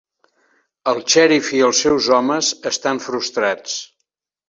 El xèrif i els seus homes estan frustrats.